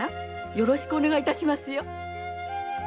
よろしくお願いいたしますよ。